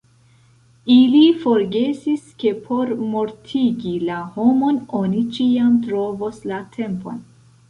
Ili forgesis, ke por mortigi la homon oni ĉiam trovos la tempon.